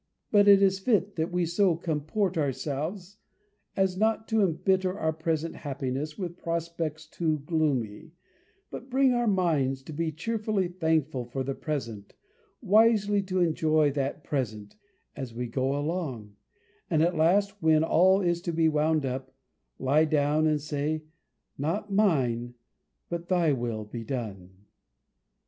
But it is fit that we so comport ourselves as not to embitter our present happiness with prospects too gloomy but bring our minds to be cheerfully thankful for the present, wisely to enjoy that present as we go along and at last, when all is to be wound up lie down, and say, "Not mine, but Thy will be done."